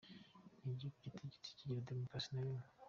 N’igihugu kitigeze kigira demokarasi na rimwe.